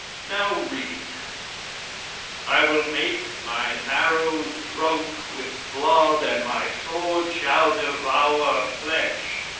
Now read: "I will make mine arrows drunk with blood and my sword shall devour flesh."